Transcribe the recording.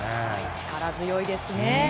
力強いですね。